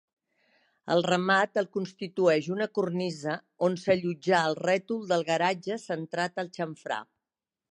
El remat el constitueix una cornisa on s'allotjà el rètol del garatge centrat al xamfrà.